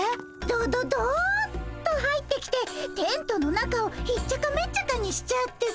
ドドドッと入ってきてテントの中をひっちゃかめっちゃかにしちゃってさ。